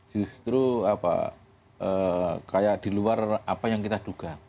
justru apa kayak diluar apa yang kita duga